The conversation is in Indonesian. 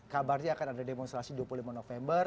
kabarnya akan ada demonstrasi dua puluh lima november